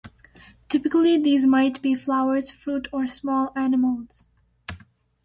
Typically, these might be flowers, fruit, or small animals.